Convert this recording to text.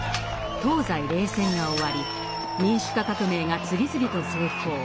東西冷戦が終わり民主化革命が次々と成功。